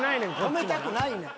止めたくないねん。